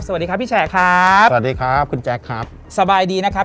สวัสดีครับพี่แฉครับสวัสดีครับคุณแจ๊คครับสบายดีนะครับ